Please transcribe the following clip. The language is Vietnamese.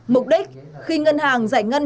mục đích khi ngân hàng giải ngân